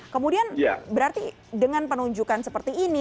kemudian berarti dengan penunjukan seperti ini